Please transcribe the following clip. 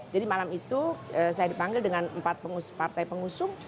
jadi malam itu saya dipanggil dengan empat partai pengusung